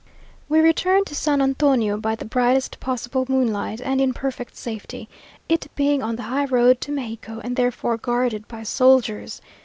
We returned to San Antonio by the brightest possible moonlight, and in perfect safety, it being on the high road to Mexico, and therefore guarded by soldiers.